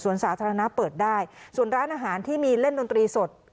ส่วนสาธารณะเปิดได้ส่วนร้านอาหารที่มีเล่นดนตรีสด